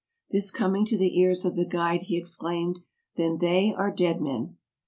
This coming to the ears of the guide he exclaimed, " Then they are dead men!